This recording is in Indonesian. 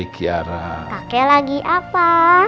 kakek lagi apa